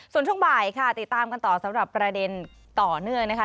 ส่วนช่วงบ่ายค่ะติดตามกันต่อสำหรับประเด็นต่อเนื่องนะคะ